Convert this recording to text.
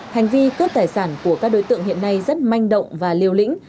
hành vi cướp tài sản của các đối tượng hiện nay rất manh động và liều lĩnh